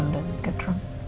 kamu tahu dia mabuk